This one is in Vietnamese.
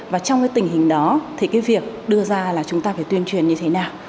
và trong cái tình hình đó thì cái việc đưa ra là chúng ta phải tuyên truyền như thế nào